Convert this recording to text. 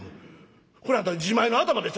これあんた自前の頭でっせ。